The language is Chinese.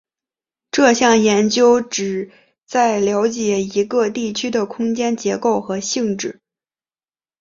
这项研究旨在了解一个地区的空间结构和性质。